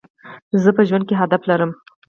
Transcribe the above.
زه په ژوند کي هدف لرم.